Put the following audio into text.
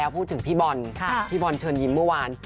พูดถึงพี่บอลพี่บอลเชิญยิ้มเมื่อวาน